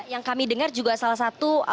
yang kami dengar juga salah satu